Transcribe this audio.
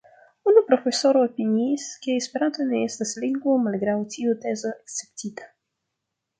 Unu profesoro opiniis, ke Esperanto ne estas lingvo, malgraŭ tio tezo akceptita.